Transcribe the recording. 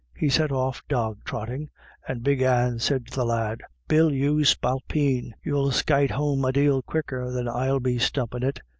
He set off jog trotting, and Big Anne said to the lad :" Bill, you spalpeen, you'll skyte home a dale quicker than I'll be stumpin' it.